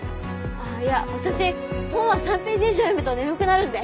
あっいや私本は３ページ以上読むと眠くなるんで。